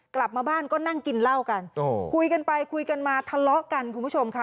กลับมาบ้านก็นั่งกินเหล้ากันคุยกันไปคุยกันมาทะเลาะกันคุณผู้ชมค่ะ